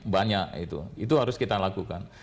banyak itu itu harus kita lakukan